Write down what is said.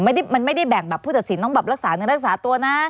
ไม่ได้มันไม่ได้แบ่งแบบผู้ตัดสินต้องแบบรักษาเนื้อรักษาตัวนะ